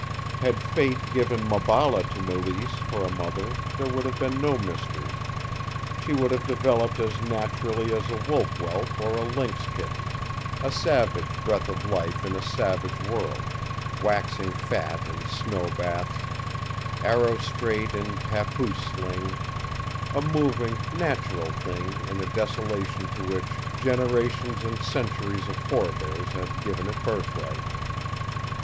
Had fate given Maballa to Mélisse for a mother there would have been no mystery. She would have developed as naturally as a wolf whelp or a lynx kitten, a savage breath of life in a savage world, waxing fat in snow baths, arrow straight in papoose slings, a moving, natural thing in a desolation to which generations and centuries of forebears had given it birthright.